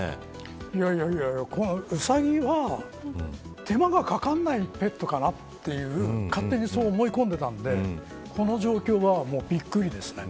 いやいやいやウサギは手間がかからないペットかなっていう勝手にそう思い込んでいたのでこの状況はもうびっくりですね。